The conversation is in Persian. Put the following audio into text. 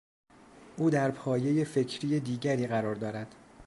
او در پایهی فکری دیگری قرار دارد.